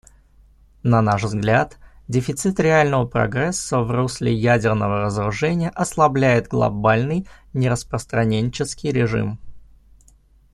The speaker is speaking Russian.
На наш взгляд, дефицит реального прогресса в русле ядерного разоружения ослабляет глобальный нераспространенческий режим.